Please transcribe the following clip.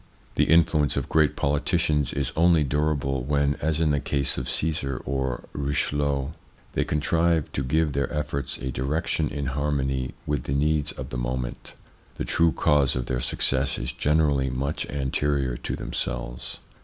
The influence of great politicians is only durable when, as in the case of Caesar or Richelieu, they contrive to give their efforts a direc tion in harmony with the needs of the moment ; the true cause of their success is generally much anterior to themselves.